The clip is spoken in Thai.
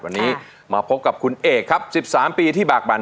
วันนี้มาพบกับคุณเอกครับ๑๓ปีที่บากบั่น